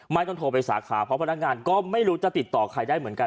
ไม่ต้องโทรไปสาขาเพราะพนักงานก็ไม่รู้จะติดต่อใครได้เหมือนกัน